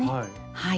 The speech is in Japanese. はい。